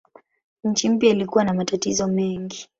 Nchi mpya ilikuwa na matatizo mengi.